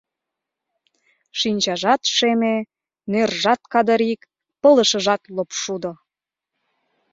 Шинчажат шеме, нержат кадырик, пылышыжат лопшудо...